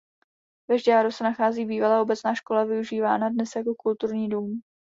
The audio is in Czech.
Ve Žďáru se nachází bývalá obecná škola využívaná dnes jako kulturní dům.